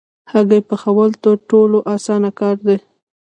هګۍ پخول تر ټولو اسانه کار دی.